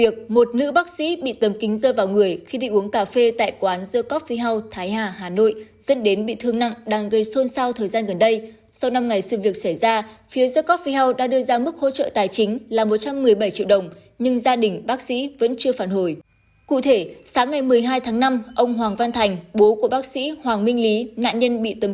các bạn hãy đăng ký kênh để ủng hộ kênh của chúng mình nhé